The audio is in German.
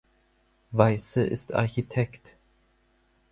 Weisse ist Architekt.